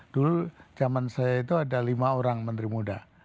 dulu zaman saya itu ada lima orang menteri muda